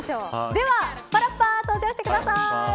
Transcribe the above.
ではパラッパ登場してください。